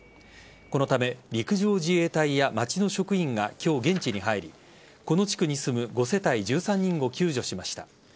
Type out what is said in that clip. このため陸上自衛隊や町の職員が今日、現地に入りこの地区に住む５世帯１３人を救助しました。